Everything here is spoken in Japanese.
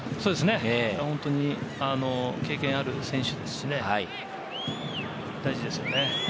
本当に経験ある選手、大事ですよね。